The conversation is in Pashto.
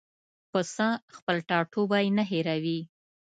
پسه خپل ټاټوبی نه هېروي.